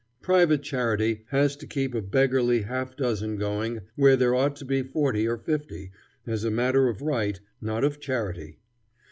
Private charity has to keep a beggarly half dozen going where there ought to be forty or fifty, as a matter of right, not of charity.